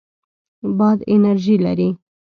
باد انرژي لري.